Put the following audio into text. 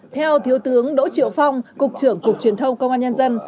theo thiếu tướng đỗ triệu phong cục trưởng cục truyền thông công an nhân dân